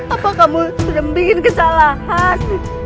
apa kamu sedang membuat kesalahan